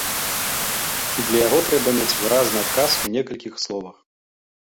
І для яго трэба мець выразны адказ у некалькіх словах.